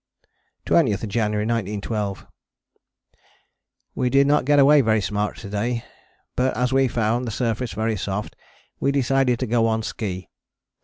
20th January 1912. We did not get away very smart to day, but as we found the surface very soft, we decided to go on ski.